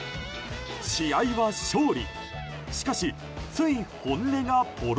試合は勝利。